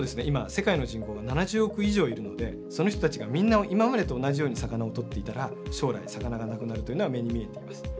今世界の人口が７０億以上いるのでその人たちがみんな今までと同じように魚を取っていたら将来魚がなくなるというのは目に見えています。